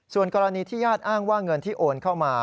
ส่วนกรณีที่ญาติอ้างว่าเงินที่โอนเข้ามา